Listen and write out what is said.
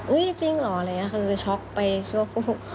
เห้ยจริงเหรอยังเหรอคือช็อกไปชั่วคู่